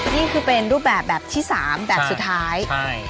นี่คือเป็นรูปแบบแบบที่สามแบบสุดท้าย